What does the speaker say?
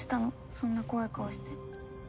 そんな怖い顔して。